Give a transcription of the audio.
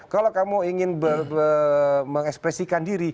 kalau kamu ingin mengekspresikan diri